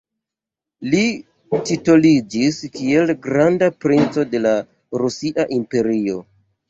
Li titoliĝis kiel granda princo de la Rusia Imperio.